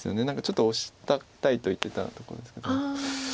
何かちょっとオシたいと言ってたところですけど。